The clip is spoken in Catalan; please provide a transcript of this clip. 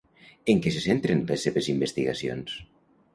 En què se centren les seves investigacions?